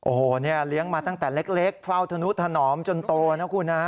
โอ้โหเนี่ยเลี้ยงมาตั้งแต่เล็กเฝ้าธนุถนอมจนโตนะคุณฮะ